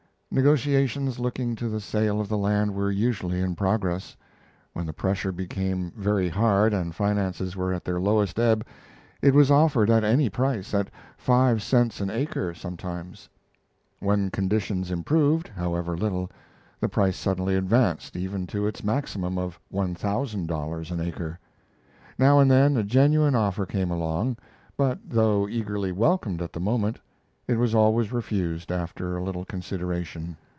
Negotiations looking to the sale of the land were usually in progress. When the pressure became very hard and finances were at their lowest ebb, it was offered at any price at five cents an acre, sometimes. When conditions improved, however little, the price suddenly advanced even to its maximum of one thousand dollars an acre. Now and then a genuine offer came along, but, though eagerly welcomed at the moment, it was always refused after a little consideration.